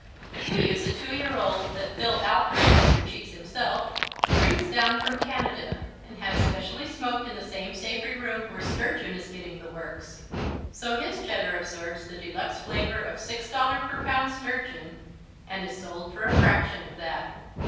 We use a two year old that Phil Alpert, Mr. Cheese himself, brings down from Canada and has specially smoked in the same savory room where sturgeon is getting the works. So his Cheddar absorbs the de luxe flavor of six dollar per pound sturgeon and is sold for a fraction of that.